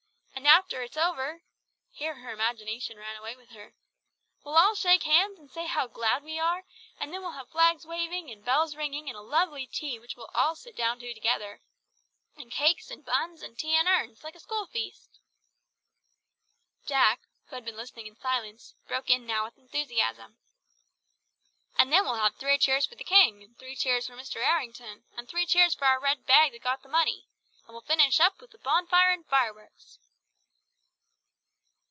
And after it's over" here her imagination ran away with her "we'll all shake hands, and say how glad we are, and then we'll have flags waving and bells ringing, and a lovely tea which we'll sit down to all together, with cakes and buns, and tea in urns, like a schoolfeast!" Jack, who had been listening in silence, broke in now with enthusiasm. "And then we'll have three cheers for the King, and three cheers for Mr. Errington, and three cheers for our red bag that got the money, and we'll finish up with a bonfire and fireworks!"